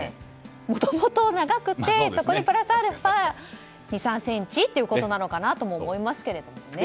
もともと長くてそこにプラスアルファ２３ｃｍということなのかなと思いますけどね。